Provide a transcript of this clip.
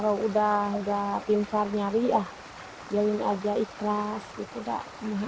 dan buat tempat tinggal anak anak saya yang sudah berada di rumah saya